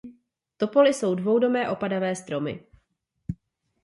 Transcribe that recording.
Topoly jsou dvoudomé opadavé stromy.